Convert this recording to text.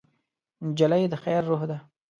نجلۍ د خیر روح ده.